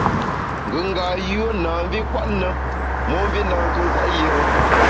Ngùnga yùe na mvi nkwet na, momvi nankù nkwet yire.